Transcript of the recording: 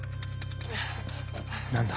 何だ？